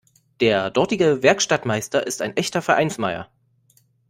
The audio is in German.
Der dortige Werkstattmeister ist ein echter Vereinsmeier.